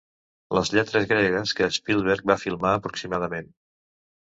Les lletres gregues que Spielberg va filmar, aproximadament.